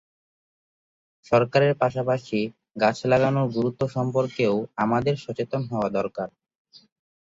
সরকারের পাশাপাশি গাছ লাগানোর গুরুত্ব সম্পর্কেও আমাদের সচেতন হওয়া দরকার।